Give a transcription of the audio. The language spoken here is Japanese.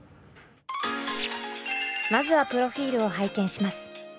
まずはプロフィールを拝見します。